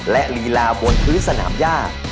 และลีลาบนพื้นสนามย่า